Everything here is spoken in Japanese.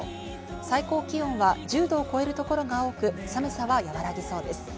最高気温は１０度を超える所が多く、寒さは和らぎそうです。